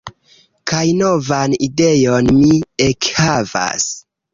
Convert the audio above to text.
Kaj novan ideon mi ekhavas.